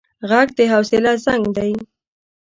غږ د حوصله زنګ دی